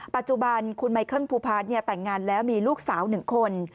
ปัจจุบันคุณไมเคิลภูพาร์ทแต่งงานแล้วมีลูกสาว๑คน